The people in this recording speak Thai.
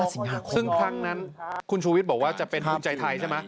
สิงหาคมซึ่งครั้งนั้นคุณชูวิทย์บอกว่าจะเป็นภูมิใจไทยใช่ไหม